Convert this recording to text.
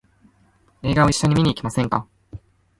映画を一緒に見に行きませんか？